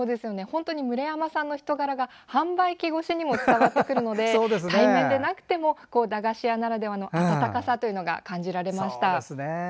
本当に村山さんの人柄が販売機越しにも伝わってくるので対面でなくても駄菓子屋ならではの温かさというのが感じられました。